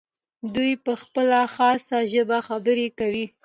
دوی په خپله خاصه ژبه خبرې کوي.